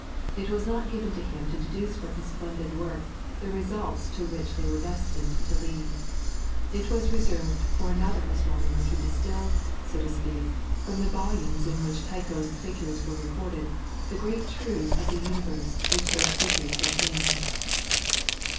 It was not given to him to deduce from his splendid work the results to which they were destined to lead. It was reserved for another astronomer to distil, so to speak, from the volumes in which Tycho's figures were recorded, the great truths of the universe which those figures contained.